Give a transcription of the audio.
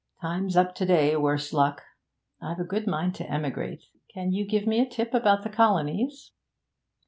Time's up today, worse luck! I've a good mind to emigrate. Can you give me a tip about the colonies?'